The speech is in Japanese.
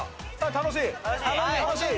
楽しい？